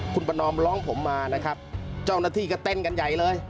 คุณประนอมร้องผมมานะครับเจ้าหน้าที่ก็เต้นกันใหญ่เลย